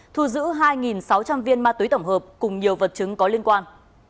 thu giữ hai sáu trăm linh viên ma túy tổng hợp cùng nhiều vật chứng có liên quan